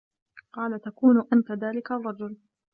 قَالَ تَكُونُ أَنْتَ ذَلِكَ الرَّجُلَ